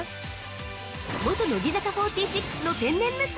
◆元乃木坂４６の天然娘。